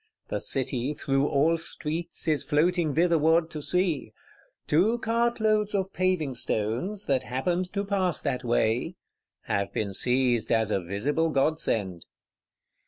The City, through all streets, is flowing thitherward to see: "two cartloads of paving stones, that happened to pass that way" have been seized as a visible godsend.